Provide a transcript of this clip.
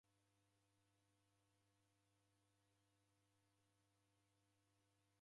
W'aniw'asira w'ughoma